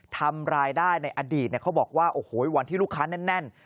ทำรายได้ในอดีตเขาบอกว่าโอ้โหวันที่ลูกค้าแน่น